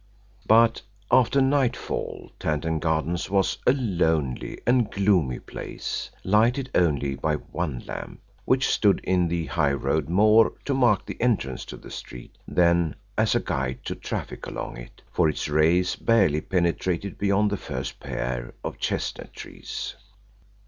But after nightfall Tanton Gardens was a lonely and gloomy place, lighted only by one lamp, which stood in the high road more to mark the entrance to the street than as a guide to traffic along it, for its rays barely penetrated beyond the first pair of chestnut trees.